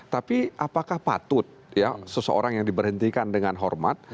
tapi apakah patut seseorang yang diberhentikan dengan hormat